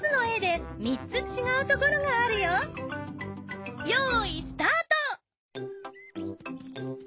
よいスタート！